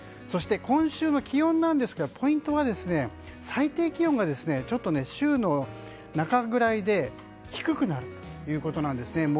そして今週の気温ですがポイントは最低気温がちょっと週の中ぐらいで低くなるということなんですね。